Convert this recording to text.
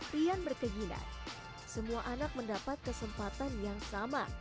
rian berkeginan semua anak mendapat kesempatan yang sama